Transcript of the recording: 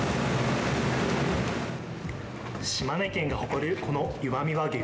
島根県が誇るこの石見和牛。